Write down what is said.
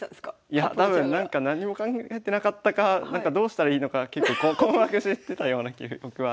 いや多分何にも考えてなかったかどうしたらいいのか困惑してたような記憶はありますね。